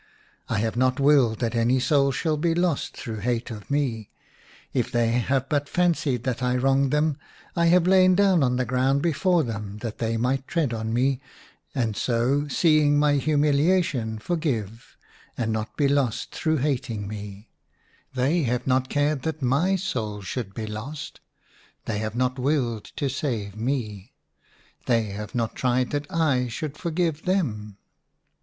I have not willed that any soul should be lost through hate of me. If they have but fancied that I wronged them I have lain down on the ground before them that they might tread on me, and so, seeing my humiliation, forgive and not be lost through hating me ; they have not cared that my soul should io6 IN A RUINED CHAPEL. be lost ; they have not willed to save me ; they have not tried that I should forgive them